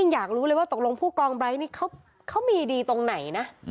อยากรู้เลยว่าตกลงผู้กองไร้นี่เขามีดีตรงไหนนะ